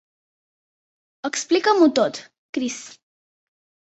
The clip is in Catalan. Explica-m'ho tot, Kris.